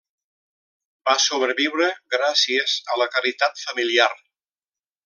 Va sobreviure gràcies a la caritat familiar.